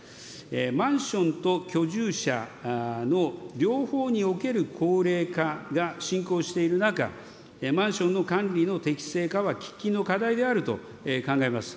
マンションと居住者の両方における高齢化が進行している中、マンションの管理の適正化は喫緊の課題であると考えます。